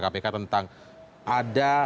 kpk tentang ada